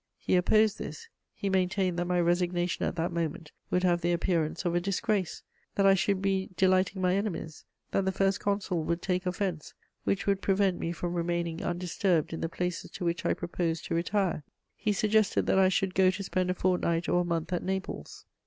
He opposed this: he maintained that my resignation at that moment would have the appearance of a disgrace; that I should be delighting my enemies, that the First Consul would take offense, which would prevent me from remaining undisturbed in the places to which I proposed to retire. He suggested that I should go to spend a fortnight or a month at Naples.